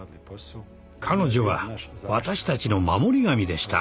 彼女は私たちの守り神でした。